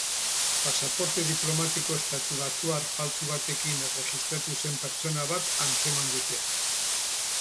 Pasaporte diplomatiko estatubatuar faltsu batekin erregistratu zen pertsona bat antzeman dute.